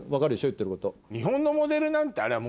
言ってること。